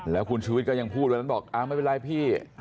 แล้วคุณชุวิตก็ยังพูดวันนั้นบอกอ้าวไม่เป็นไรพี่